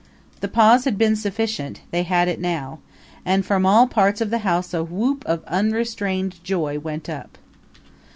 The pause had been sufficient they had it now. And from all parts of the house a whoop of unrestrained joy went up.